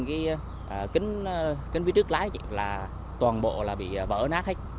kính phía trước lái là toàn bộ bị vỡ nát